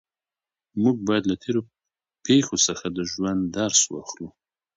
موږ باید له تېرو پېښو څخه د ژوند درس واخلو.